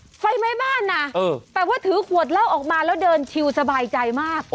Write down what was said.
ไฟไหม้บ้านนะเออแต่ว่าถือขวดเหล้าออกมาแล้วเดินชิวสบายใจมาก